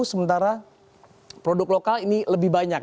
sementara produk lokal ini lebih banyak